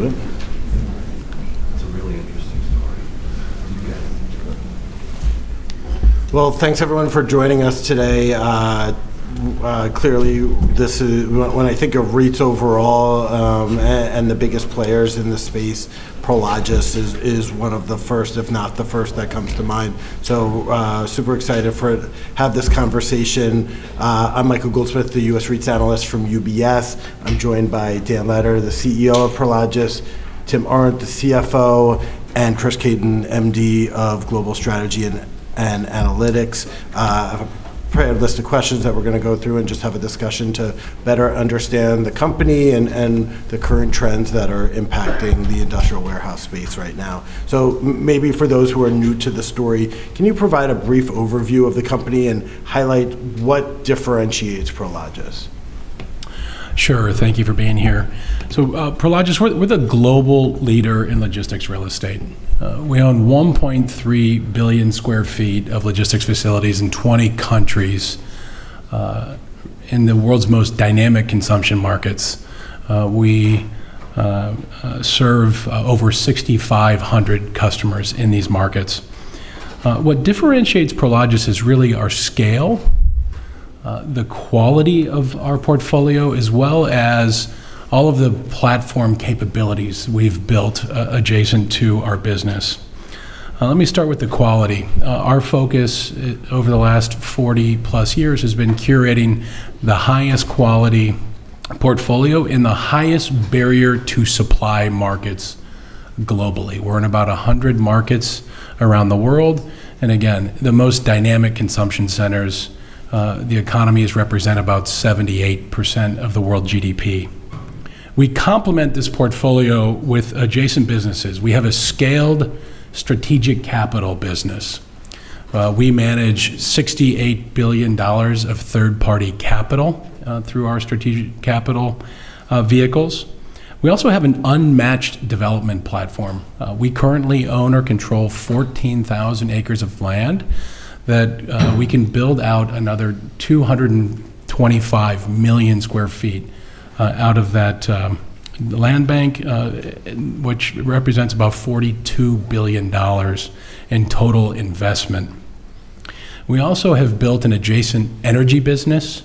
Should we do it? Yeah. It's a really interesting story. Yes. Well, thanks everyone for joining us today. Clearly, when I think of REITs overall, and the biggest players in the space, Prologis is one of the first, if not the first, that comes to mind. Super excited to have this conversation. I'm Michael Goldsmith, the U.S. REITs analyst from UBS. I'm joined by Dan Letter, the CEO of Prologis, Tim Arndt, the CFO, and Chris Caton, MD of Global Strategy and Analytics. I have a list of questions that we're going to go through and just have a discussion to better understand the company and the current trends that are impacting the industrial warehouse space right now. Maybe for those who are new to the story, can you provide a brief overview of the company and highlight what differentiates Prologis? Sure. Thank you for being here. Prologis, we're the global leader in logistics real estate. We own 1.3 billion sq ft of logistics facilities in 20 countries, in the world's most dynamic consumption markets. We serve over 6,500 customers in these markets. What differentiates Prologis is really our scale, the quality of our portfolio, as well as all of the platform capabilities we've built adjacent to our business. Let me start with the quality. Our focus over the last 40-plus years has been curating the highest quality portfolio in the highest barrier to supply markets globally. We're in about 100 markets around the world, again, the most dynamic consumption centers. The economies represent about 78% of the world GDP. We complement this portfolio with adjacent businesses. We have a scaled strategic capital business. We manage $68 billion of third-party capital through our strategic capital vehicles. We also have an unmatched development platform. We currently own or control 14,000 acres of land that we can build out another 225 million sq ft out of that land bank, which represents about $42 billion in total investment. We also have built an adjacent energy business,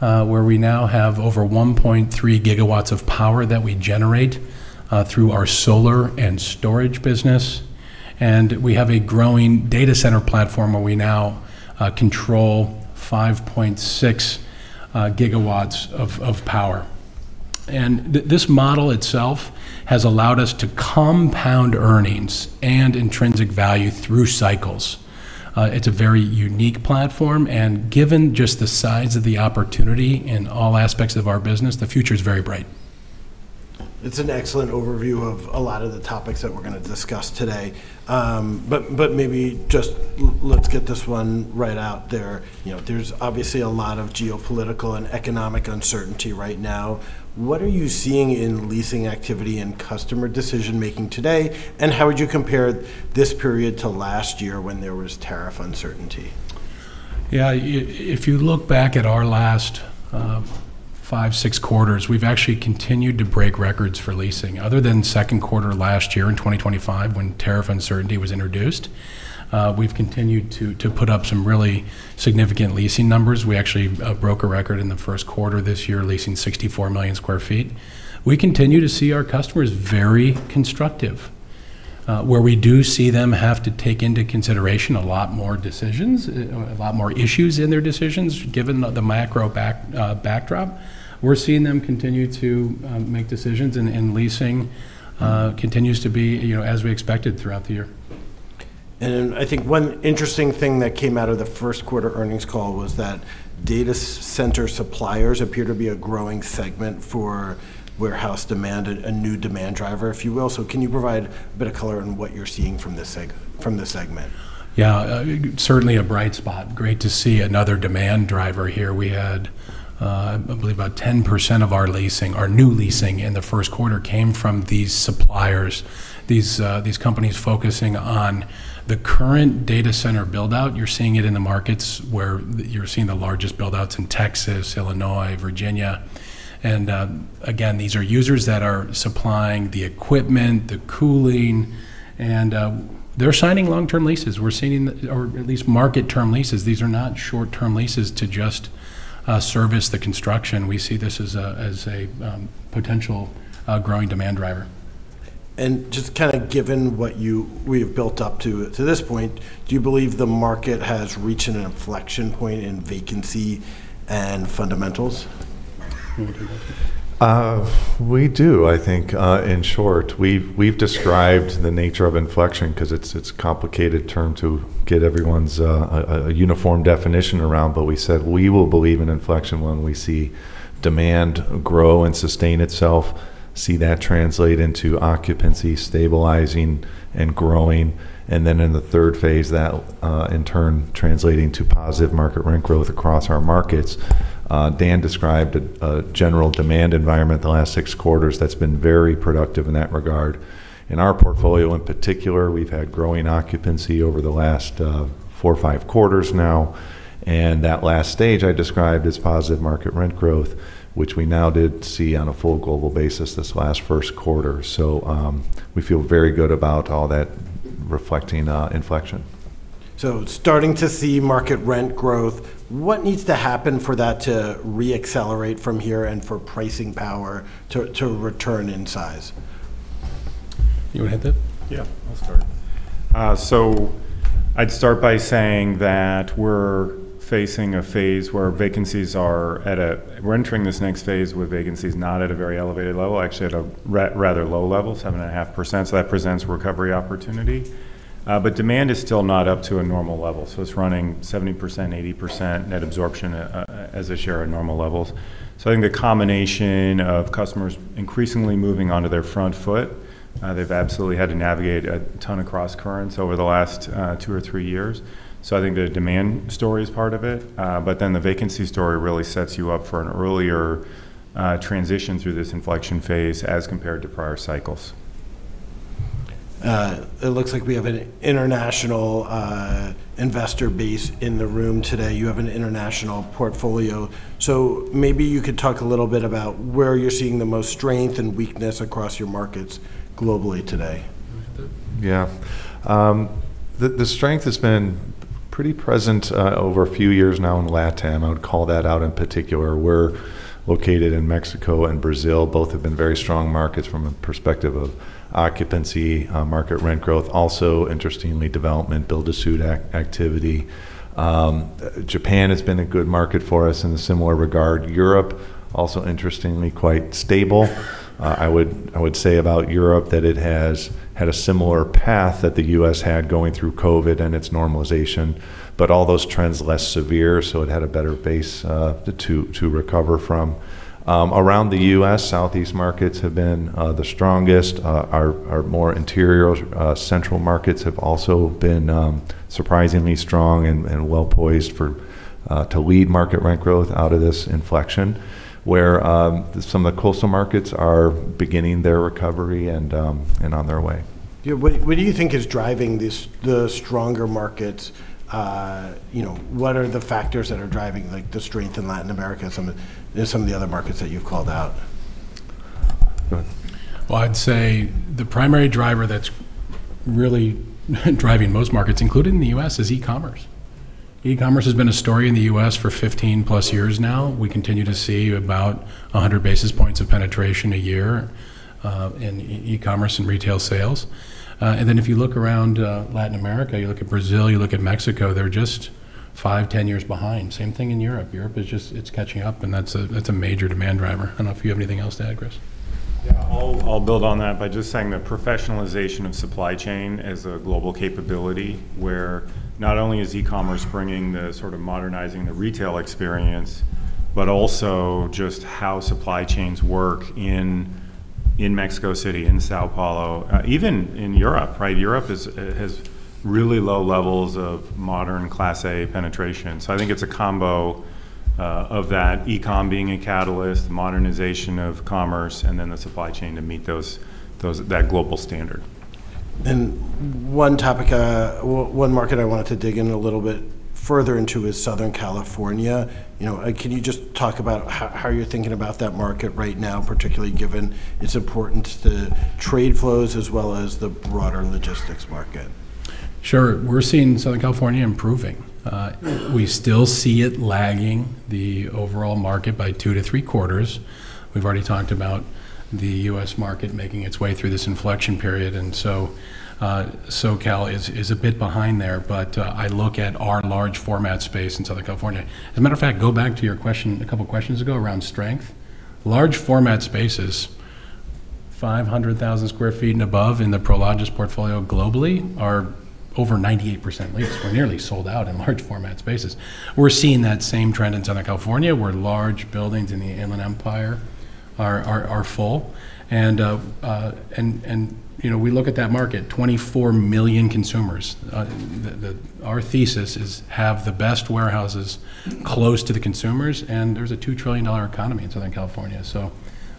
where we now have over 1.3 GW of power that we generate through our solar and storage business. We have a growing data center platform where we now control 5.6 GW of power. This model itself has allowed us to compound earnings and intrinsic value through cycles. It's a very unique platform, and given just the size of the opportunity in all aspects of our business, the future's very bright. It's an excellent overview of a lot of the topics that we're going to discuss today. Maybe just let's get this one right out there. There's obviously a lot of geopolitical and economic uncertainty right now. What are you seeing in leasing activity and customer decision-making today, and how would you compare this period to last year when there was tariff uncertainty? Yeah. If you look back at our last five, six quarters, we've actually continued to break records for leasing. Other than second quarter last year in 2025, when tariff uncertainty was introduced, we've continued to put up some really significant leasing numbers. We actually broke a record in the first quarter this year, leasing 64 million square feet. We continue to see our customers very constructive. Where we do see them have to take into consideration a lot more decisions, a lot more issues in their decisions, given the macro backdrop, we're seeing them continue to make decisions and leasing continues to be as we expected throughout the year. I think one interesting thing that came out of the first quarter earnings call was that data center suppliers appear to be a growing segment for warehouse demand, a new demand driver, if you will. Can you provide a bit of color on what you're seeing from this segment? Certainly a bright spot. Great to see another demand driver here. We had, I believe about 10% of our leasing, our new leasing in the first quarter came from these suppliers. These companies focusing on the current data center build-out. You're seeing it in the markets where you're seeing the largest build-outs in Texas, Illinois, Virginia. Again, these are users that are supplying the equipment, the cooling, and they're signing long-term leases. We're seeing, or at least market-term leases. These are not short-term leases to just service the construction. We see this as a potential growing demand driver. Just given what we have built up to this point, do you believe the market has reached an inflection point in vacancy and fundamentals? We do, I think, in short. We've described the nature of inflection because it's a complicated term to get everyone's uniform definition around. We said we will believe in inflection when we see demand grow and sustain itself, see that translate into occupancy stabilizing and growing, and then in the third phase, that in turn translating to positive market rent growth across our markets. Dan described a general demand environment the last six quarters that's been very productive in that regard. In our portfolio in particular, we've had growing occupancy over the last four or five quarters now, and that last stage I described as positive market rent growth, which we now did see on a full global basis this last first quarter. We feel very good about all that. Reflecting inflection. Starting to see market rent growth. What needs to happen for that to re-accelerate from here and for pricing power to return in size? You want to hit that? Yeah, I'd start by saying that we're entering this next phase where vacancy is not at a very elevated level, actually at a rather low level, 7.5%, that presents recovery opportunity. Demand is still not up to a normal level, so it's running 70%, 80% net absorption, as I share, at normal levels. I think the combination of customers increasingly moving onto their front foot, they've absolutely had to navigate a ton of crosscurrents over the last two or three years. I think the demand story is part of it. The vacancy story really sets you up for an earlier transition through this inflection phase as compared to prior cycles. It looks like we have an international investor base in the room today. You have an international portfolio. Maybe you could talk a little bit about where you're seeing the most strength and weakness across your markets globally today. You want to hit that? Yeah. The strength has been pretty present over a few years now in LatAm. I would call that out in particular. We're located in Mexico and Brazil. Both have been very strong markets from a perspective of occupancy, market rent growth, also interestingly, development, build-to-suit activity. Japan has been a good market for us in a similar regard. Europe, also interestingly, quite stable. I would say about Europe that it has had a similar path that the U.S. had going through COVID and its normalization. All those trends less severe, so it had a better base to recover from. Around the U.S., Southeast markets have been the strongest. Our more interior, central markets have also been surprisingly strong and well-poised to lead market rent growth out of this inflection, where some of the coastal markets are beginning their recovery and on their way. Yeah. What do you think is driving the stronger markets? What are the factors that are driving the strength in Latin America and some of the other markets that you've called out? Go ahead. Well, I'd say the primary driver that's really driving most markets, including the U.S., is e-commerce. E-commerce has been a story in the U.S. for 15+ years now. We continue to see about 100 basis points of penetration a year in e-commerce and retail sales. If you look around Latin America, you look at Brazil, you look at Mexico, they're just five, 10 years behind. Same thing in Europe. Europe is just catching up, and that's a major demand driver. I don't know if you have anything else to add, Chris. I'll build on that by just saying that professionalization of supply chain as a global capability, where not only is e-commerce bringing the sort of modernizing the retail experience, but also just how supply chains work in Mexico City, in São Paulo, even in Europe, right? Europe has really low levels of modern Class A penetration. I think it's a combo of that e-com being a catalyst, modernization of commerce, and then the supply chain to meet that global standard. One market I wanted to dig in a little bit further into is Southern California. Can you just talk about how you're thinking about that market right now, particularly given its importance to trade flows as well as the broader logistics market? Sure. We're seeing Southern California improving. We still see it lagging the overall market by two to three quarters. We've already talked about the U.S. market making its way through this inflection period. So Cal is a bit behind there. I look at our large format space in Southern California. As a matter of fact, go back to your question a couple questions ago around strength. Large format spaces, 500,000 sq ft and above in the Prologis portfolio globally, are over 98% leased. We're nearly sold out in large format spaces. We're seeing that same trend in Southern California, where large buildings in the Inland Empire are full. We look at that market, 24 million consumers. Our thesis is have the best warehouses close to the consumers. There's a $2 trillion economy in Southern California.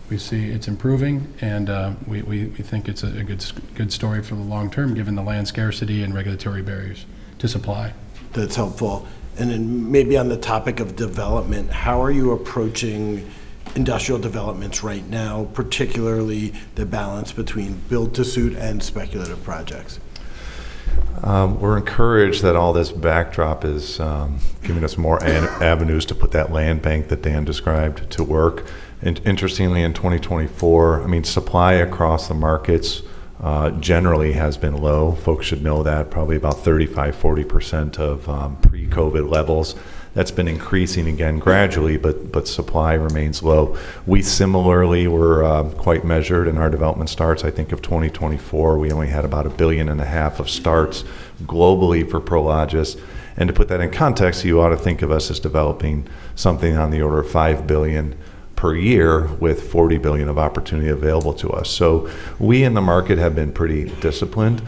We see it's improving, and we think it's a good story for the long term, given the land scarcity and regulatory barriers to supply. That's helpful. Then maybe on the topic of development, how are you approaching industrial developments right now, particularly the balance between build-to-suit and speculative projects? We're encouraged that all this backdrop is giving us more avenues to put that land bank that Dan described to work. Interestingly, in 2024, supply across the markets generally has been low. Folks should know that probably about 35%, 40% of pre-COVID levels. That's been increasing again gradually, but supply remains low. We similarly were quite measured in our development starts. I think of 2024, we only had about a billion and a half of starts globally for Prologis. To put that in context, you ought to think of us as developing something on the order of $5 billion per year with $40 billion of opportunity available to us. We in the market have been pretty disciplined.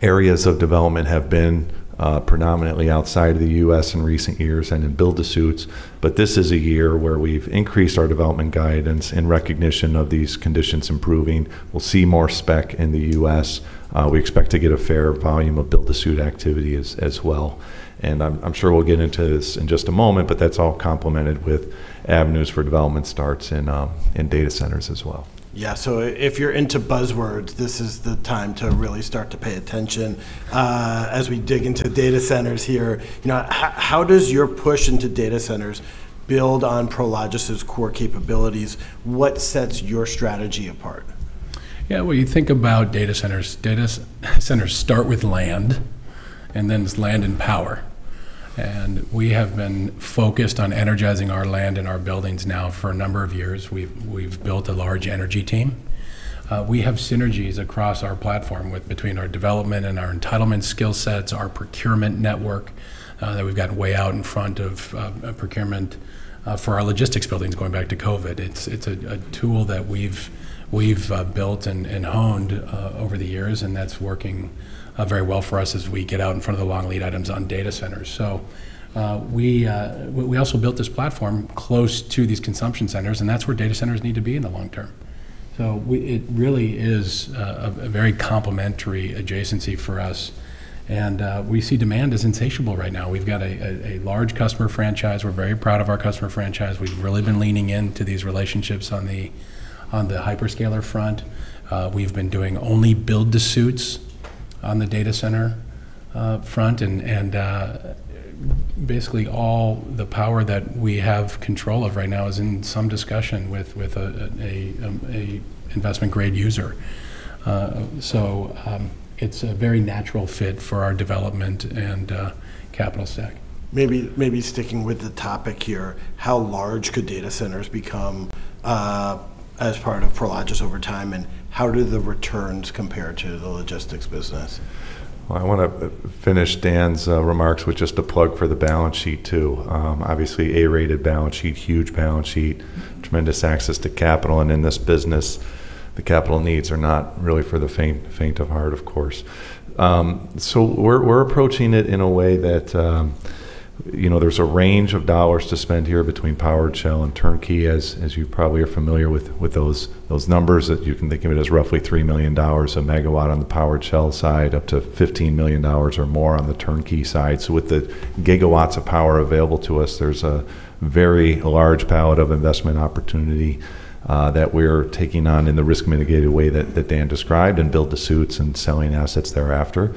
Areas of development have been predominantly outside of the U.S. in recent years and in build-to-suits, but this is a year where we've increased our development guidance in recognition of these conditions improving. We'll see more spec in the U.S. We expect to get a fair volume of build-to-suit activity as well. I'm sure we'll get into this in just a moment, but that's all complemented with avenues for development starts in data centers as well. Yeah, if you're into buzzwords, this is the time to really start to pay attention. As we dig into data centers here, how does your push into data centers build on Prologis' core capabilities? What sets your strategy apart? Yeah. When you think about data centers, data centers start with land, then it's land and power. We have been focused on energizing our land and our buildings now for a number of years. We've built a large energy team. We have synergies across our platform between our development and our entitlement skill sets, our procurement network, that we've got way out in front of procurement for our logistics buildings, going back to COVID. It's a tool that we've built and owned over the years, that's working very well for us as we get out in front of the long lead items on data centers. We also built this platform close to these consumption centers, and that's where data centers need to be in the long term. It really is a very complementary adjacency for us. We see demand is insatiable right now. We've got a large customer franchise. We're very proud of our customer franchise. We've really been leaning into these relationships on the hyperscaler front. We've been doing only build-to-suits on the data center front, and basically all the power that we have control of right now is in some discussion with an investment-grade user. It's a very natural fit for our development and capital stack. Maybe sticking with the topic here, how large could data centers become as part of Prologis over time, and how do the returns compare to the logistics business? Well, I want to finish Dan's remarks with just a plug for the balance sheet, too. Obviously, A-rated balance sheet, huge balance sheet, tremendous access to capital, and in this business, the capital needs are not really for the faint of heart, of course. We're approaching it in a way that there's a range of dollars to spend here between powered shell and turnkey, as you probably are familiar with those numbers. You can think of it as roughly $3 million a megawatt on the powered shell side, up to $15 million or more on the turnkey side. With the gigawatts of power available to us, there's a very large palette of investment opportunity that we're taking on in the risk-mitigated way that Dan described, and build-to-suits and selling assets thereafter.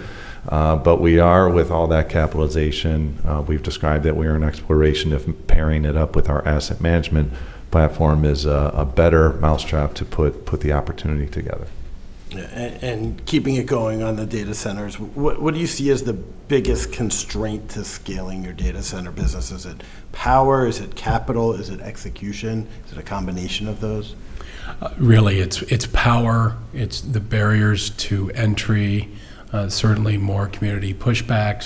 We are, with all that capitalization we've described, that we are in exploration of pairing it up with our asset management platform as a better mousetrap to put the opportunity together. Yeah. Keeping it going on the data centers, what do you see as the biggest constraint to scaling your data center business? Is it power? Is it capital? Is it execution? Is it a combination of those? Really, it's power. It's the barriers to entry. Certainly more community pushback.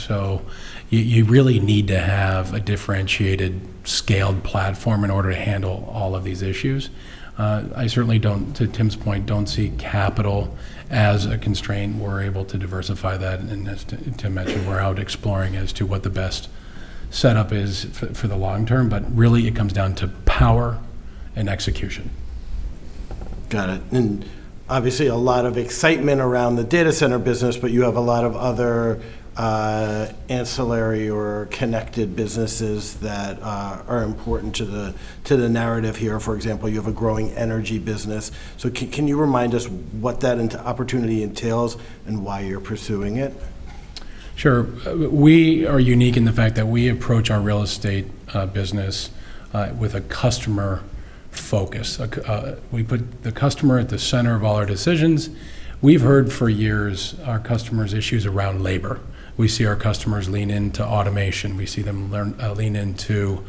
You really need to have a differentiated, scaled platform in order to handle all of these issues. I certainly don't, to Tim's point, don't see capital as a constraint. We're able to diversify that, and as Tim mentioned, we're out exploring as to what the best setup is for the long term. Really it comes down to power and execution. Got it. Obviously a lot of excitement around the data center business, but you have a lot of other ancillary or connected businesses that are important to the narrative here. For example, you have a growing energy business. Can you remind us what that opportunity entails and why you're pursuing it? Sure. We are unique in the fact that we approach our real estate business with a customer focus. We put the customer at the center of all our decisions. We've heard for years our customers' issues around labor. We see our customers lean into automation. We see them lean into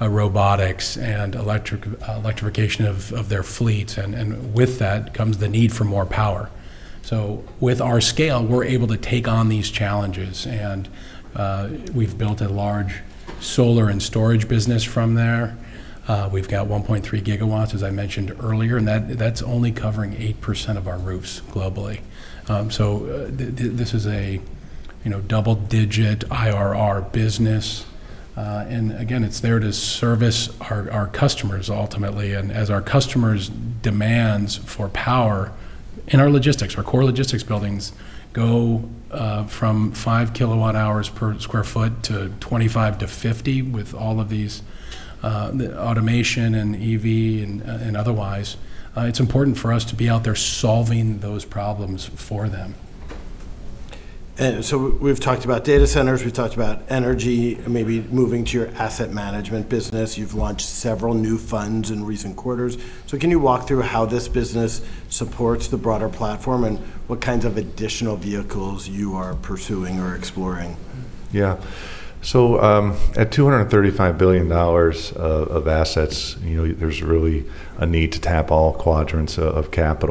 robotics and electrification of their fleet. With that comes the need for more power. With our scale, we're able to take on these challenges, and we've built a large solar and storage business from there. We've got 1.3 gigawatts, as I mentioned earlier, and that's only covering 8% of our roofs globally. This is a double-digit IRR business. Again, it's there to service our customers ultimately. As our customers' demands for power in our logistics, our core logistics buildings go from five kilowatt hours per sq ft to 25-50 with all of these automation and EV and otherwise. It's important for us to be out there solving those problems for them. We've talked about data centers, we've talked about energy. Maybe moving to your asset management business. You've launched several new funds in recent quarters. Can you walk through how this business supports the broader platform and what kinds of additional vehicles you are pursuing or exploring? Yeah. At $235 billion of assets, there's really a need to tap all quadrants of capital.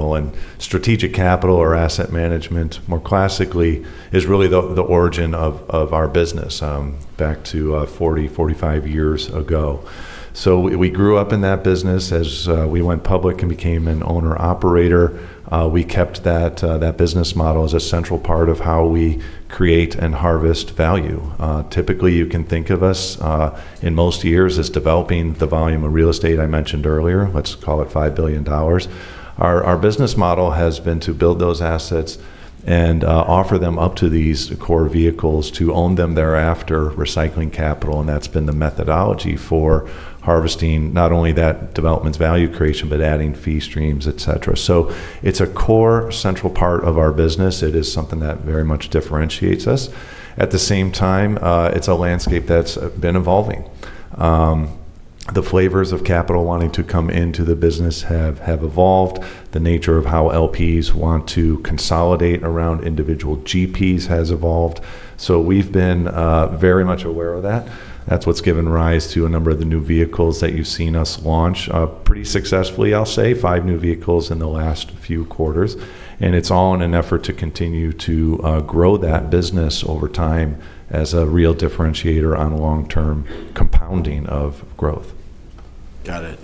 Strategic capital or asset management, more classically, is really the origin of our business back to 40, 45 years ago. We grew up in that business. As we went public and became an owner/operator, we kept that business model as a central part of how we create and harvest value. Typically, you can think of us, in most years, as developing the volume of real estate I mentioned earlier. Let's call it $5 billion. Our business model has been to build those assets and offer them up to these core vehicles to own them thereafter, recycling capital, and that's been the methodology for harvesting not only that development's value creation, but adding fee streams, et cetera. It's a core central part of our business. It is something that very much differentiates us. At the same time, it's a landscape that's been evolving. The flavors of capital wanting to come into the business have evolved. The nature of how LPs want to consolidate around individual GPs has evolved. We've been very much aware of that. That's what's given rise to a number of the new vehicles that you've seen us launch, pretty successfully, I'll say. five new vehicles in the last few quarters, and it's all in an effort to continue to grow that business over time as a real differentiator on long-term compounding of growth. Got it.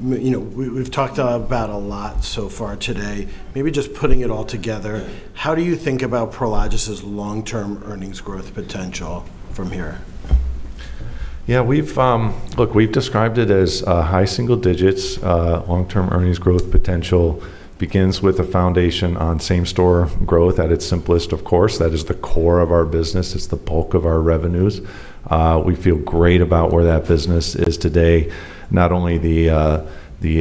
We've talked about a lot so far today. Maybe just putting it all together, how do you think about Prologis' long-term earnings growth potential from here? Look, we've described it as high single digits. Long-term earnings growth potential begins with a foundation on same-store growth at its simplest, of course. That is the core of our business. It's the bulk of our revenues. We feel great about where that business is today, not only the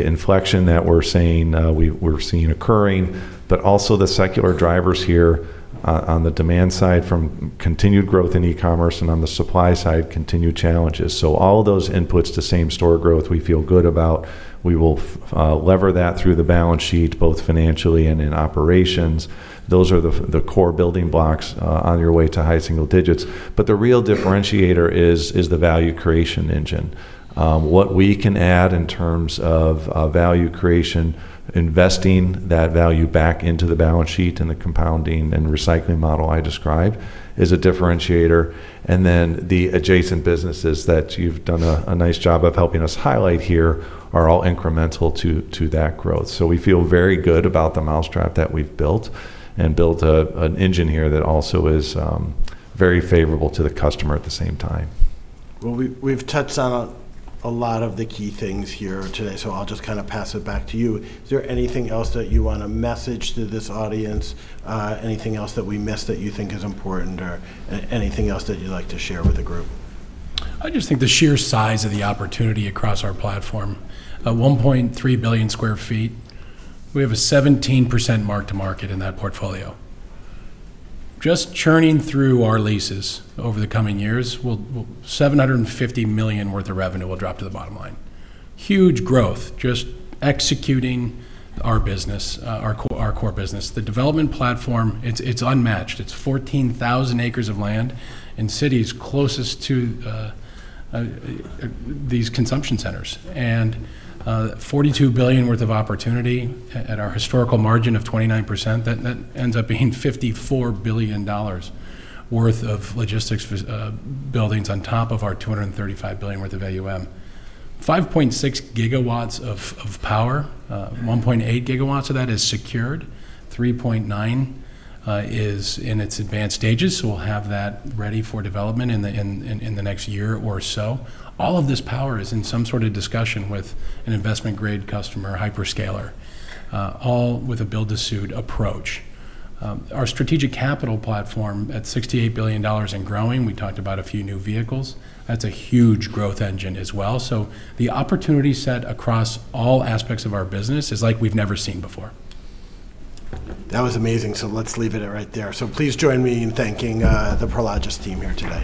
inflection that we're seeing occurring, but also the secular drivers here on the demand side from continued growth in e-commerce, and on the supply side, continued challenges. All those inputs to same-store growth we feel good about. We will lever that through the balance sheet, both financially and in operations. Those are the core building blocks on your way to high single digits. The real differentiator is the value creation engine. What we can add in terms of value creation, investing that value back into the balance sheet, and the compounding and recycling model I described is a differentiator. The adjacent businesses that you've done a nice job of helping us highlight here are all incremental to that growth. We feel very good about the mousetrap that we've built, and built an engine here that also is very favorable to the customer at the same time. Well, we've touched on a lot of the key things here today, so I'll just pass it back to you. Is there anything else that you want to message to this audience? Anything else that we missed that you think is important, or anything else that you'd like to share with the group? I just think the sheer size of the opportunity across our platform. At 1.3 billion square feet, we have a 17% mark-to-market in that portfolio. Just churning through our leases over the coming years, $750 million worth of revenue will drop to the bottom line. Huge growth, just executing our core business. The development platform, it's unmatched. It's 14,000 acres of land in cities closest to these consumption centers. $42 billion worth of opportunity at our historical margin of 29%, that ends up being $54 billion worth of logistics buildings on top of our $235 billion worth of AUM. 5.6 GW of power. 1.8 GW of that is secured. 3.9 is in its advanced stages, so we'll have that ready for development in the next year or so. All of this power is in some sort of discussion with an investment-grade customer hyperscaler, all with a build-to-suit approach. Our strategic capital platform at $68 billion and growing, we talked about a few new vehicles, that's a huge growth engine as well. The opportunity set across all aspects of our business is like we've never seen before. That was amazing, so let's leave it right there. Please join me in thanking the Prologis team here today.